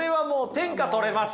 天下取れます。